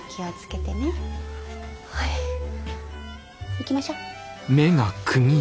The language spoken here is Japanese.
行きましょう。